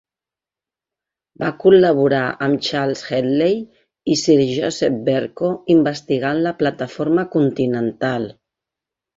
Va col·laborar amb Charles Hedley i sir Joseph Verco investigant la plataforma continental.